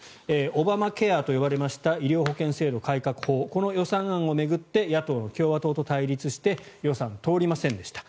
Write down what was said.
オバマケアと呼ばれました医療保険制度改革法この予算案を巡って野党の共和党と対立して予算が通りませんでした。